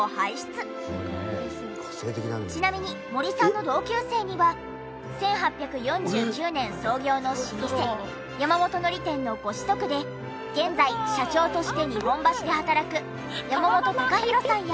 ちなみに森さんの同級生には１８４９年創業の老舗山本海苔店のご子息で現在社長として日本橋で働く山本貴大さんや。